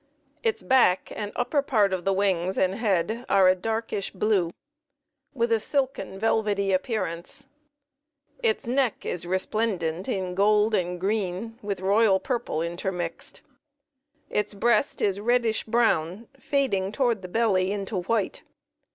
Its back and upper part of the wings and head are a darkish blue, with a silken velvety appearance. Its neck is resplendent in gold and green with royal purple intermixed. Its breast is reddish brown, fading toward the belly into white.